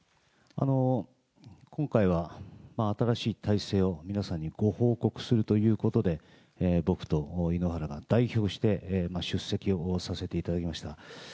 今回は新しい体制を皆さんにご報告するということで、僕と井ノ原が代表して出席をさせていただきました。